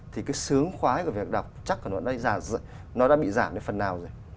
thì cái sướng khoái của việc đọc chắc của nó đã bị giảm đến phần nào rồi